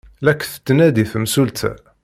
La k-tettnadi temsulta.